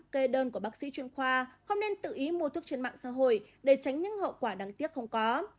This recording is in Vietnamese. kê đơn của bác sĩ chuyên khoa không nên tự ý mua thuốc trên mạng xã hội để tránh những hậu quả đáng tiếc không có